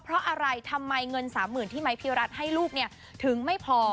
เพราะอะไรทำไมเงินสามหมื่นที่มัยพิรัตรให้ลูกเนี่ยถึงไม่พอ